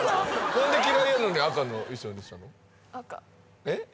何で嫌いやのに赤の衣装にしたの赤えっ？